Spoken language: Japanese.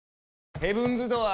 ヘブンズ・ドアー！